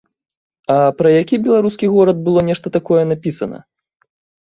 А пра які беларускі горад было нешта такое напісана?